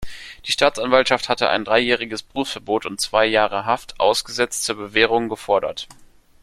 Die Staatsanwaltschaft hatte ein dreijähriges Berufsverbot und zwei Jahre Haft, ausgesetzt zur Bewährung, gefordert.